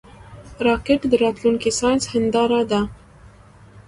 راکټ د راتلونکي ساینس هنداره ده